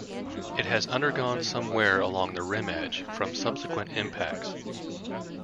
It has undergone some wear along the rim edge from subsequent impacts.